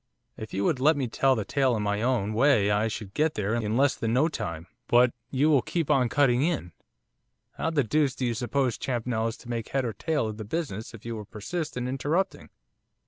If you would let me tell the tale in my own way I should get there in less than no time, but you will keep on cutting in, how the deuce do you suppose Champnell is to make head or tail of the business if you will persist in interrupting?